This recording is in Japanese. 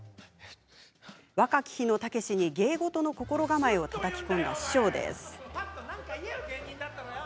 若き日のタケシに芸事の心構えをたたき込んだ師匠です。